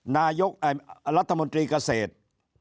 รัฐมนตรีเกษตร